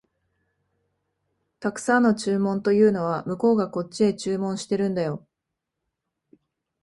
沢山の注文というのは、向こうがこっちへ注文してるんだよ